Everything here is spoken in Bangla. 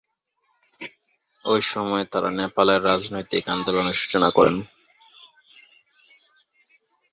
ঐ সময়ে তারা নেপালের রাজনৈতিক আন্দোলনের সূচনা করেন।